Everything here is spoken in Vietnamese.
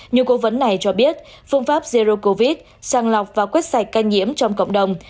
nhiều cố vấn này cho biết phương pháp zero covid sàng lọc và quét sạch ca nhiễm trong cộng đồng